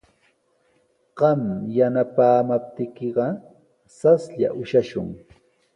Qam yanapaamaptiykiqa raslla ushashun.